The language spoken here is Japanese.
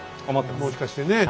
もしかしてね。